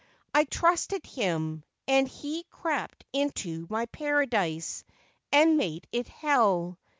I trusted him ; and he crept into my paradise, and made it hell.